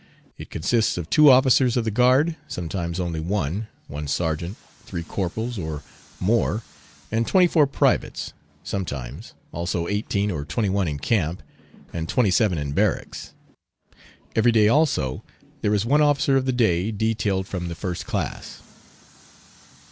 It consists of two officers of the guard sometimes only one one sergeant, three corporals or more and twenty four privates sometimes, also, eighteen or twenty one in camp, and twenty seven in barracks. Every day, also, there is one officer of the day detailed from the first class.